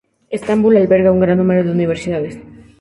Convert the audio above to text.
Estambul alberga un gran número de universidades.